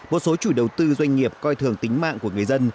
một số chủ đầu tư doanh nghiệp coi thường tính mạng của người dân